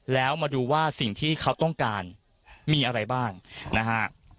แล้วมาดูว่าสิ่งที่เขาต้องการมีอะไรบ้างนะฮะ